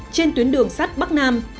trên tuyến đường sát bắc nam